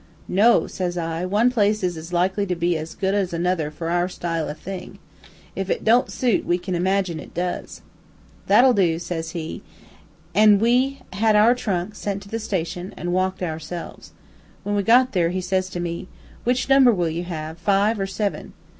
"'No,' says I, 'one place is as likely to be as good as another for our style o' thing. If it don't suit, we can imagine it does.' "'That'll do,' says he, an' we had our trunk sent to the station, and walked ourselves. When we got there, he says to me, "Which number will you have, five or seven?'